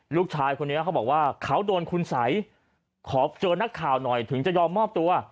ลูกชายคนนี้เขาบอกว่าเขาโดนคุณสัยขอเจอนักข่าวหน่อยถึงจะยอมมอบตัว